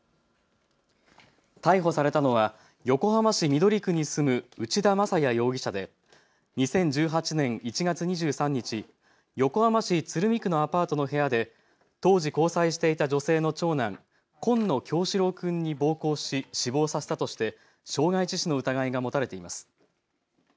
逮捕されたのは横浜市緑区に住む内田正也容疑者で２０１８年１月２３日横浜市鶴見区のアパートの部屋で当時、交際していた女性の長男、紺野叶志郎君に暴行し死亡させたとして傷害致死の疑いが持たれています。